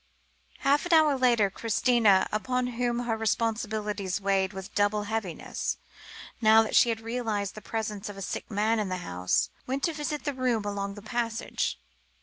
Half an hour later, Christina, upon whom her responsibilities weighed with double heaviness, now that she had realised the presence of the sick man in the house, went to visit the room along the passage.